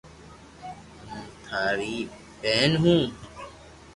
ھون ٽاري ٻين ھون